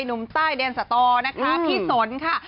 หนุ่มใต้แดนสตอนะคะพี่สนค่ะ